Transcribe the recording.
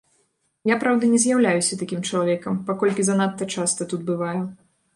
Я, праўда, не з'яўляюся такім чалавекам, паколькі занадта часта тут бываю.